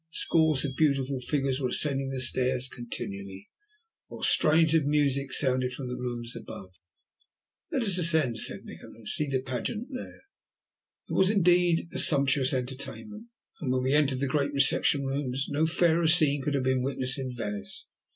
Scores of beautiful figures were ascending the stairs continually, while strains of music sounded from the rooms above. "Let us ascend," said Nikola, "and see the pageant there." It was indeed a sumptuous entertainment, and when we entered the great reception rooms, no fairer scene could have been witnessed in Venice.